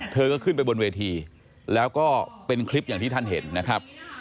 เธอก็ขึ้นไปบนเวทีแล้วก็เป็นคลิปอย่างที่ท่านเห็นนะครับ